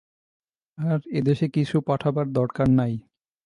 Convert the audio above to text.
আর এদেশে কিছু পাঠাবার দরকার নাই।